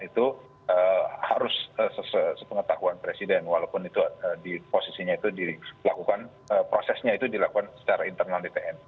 itu harus sepengetahuan presiden walaupun itu di posisinya itu dilakukan secara berat